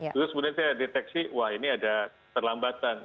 terus kemudian saya deteksi wah ini ada terlambatan